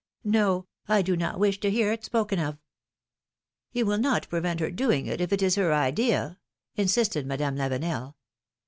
No, I do not wish to hear it spoken of! " ^^You will not prevent her doing it, if it is her idea!" insisted Madame Lavenel.